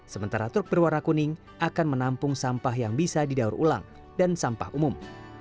sementara truk berwarna kuning akan menampung sampah yang bisa didaur ulang dan sampah umum